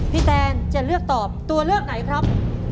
แตนจะเลือกตอบตัวเลือกไหนครับ